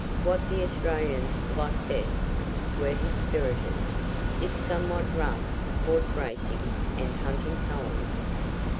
What the Australians liked best were his spirited, if somewhat rough, horse racing and hunting poems.